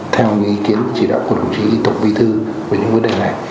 theo ý kiến chỉ đạo của đồng chí tổng bí thư về những vấn đề này